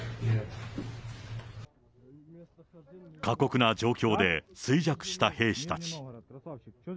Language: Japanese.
過酷な状況で衰弱した兵士たち。